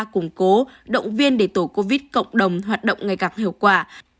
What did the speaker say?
cộng đồng hoạt động ngày càng hiệu quả